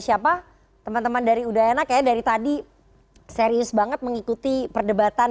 siapa teman teman dari udayana kayaknya dari tadi serius banget mengikuti perdebatan